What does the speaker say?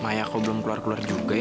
mayako belum keluar keluar juga ya